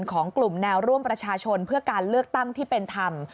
ของกลุ่มแนวร่วมประชาชนเพื่อการเลือกตั้งที่เป็นธรรม